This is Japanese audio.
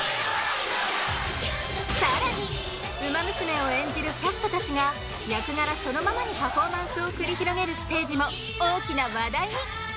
更にウマ娘を演じるキャストたちが役柄そのままにパフォーマンスを繰り広げるステージも大きな話題に！